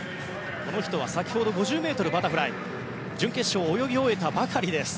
この人は先ほど５０ｍバタフライ準決勝を泳ぎ終えたばかりです。